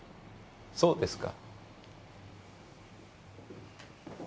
そうですか。